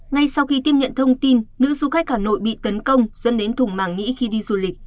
ngay sau khi tiếp nhận thông tin nữ du khách hà nội bị tấn công dẫn đến thùng màng nghĩ khi đi du lịch